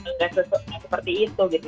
nggak seperti itu gitu